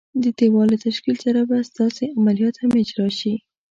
د دېوال له تشکیل سره به ستاسي عملیات هم اجرا شي.